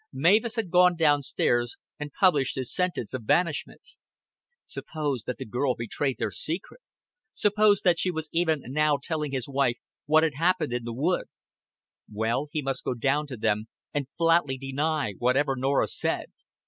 Mavis had gone down stairs and published his sentence of banishment. Suppose that the girl betrayed their secret. Suppose that she was even now telling his wife what had happened in the wood. Well, he must go down to them and flatly deny whatever Norah said.